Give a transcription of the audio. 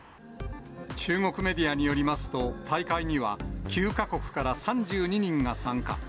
中国メディアによりますと、大会には９か国から３２人が参加。